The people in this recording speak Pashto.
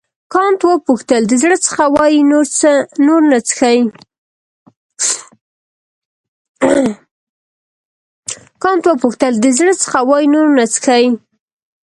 کانت وپوښتل د زړه څخه وایې نور نه څښې.